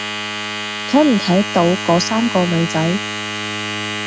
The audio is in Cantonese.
睇唔睇到嗰三個女仔？